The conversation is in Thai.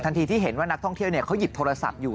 ทีที่เห็นว่านักท่องเที่ยวเขาหยิบโทรศัพท์อยู่